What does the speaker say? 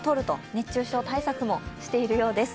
熱中症対策もしているようです。